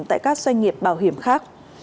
tại các doanh nghiệp bảo hiểm khác